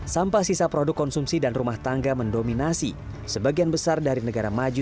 sampah sisa produk konsumsi dan rumah tangga mendominasi sebagian besar dari negara maju